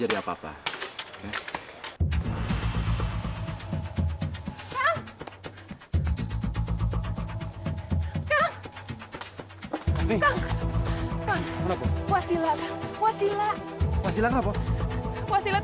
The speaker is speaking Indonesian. sudah ayo pergi wasila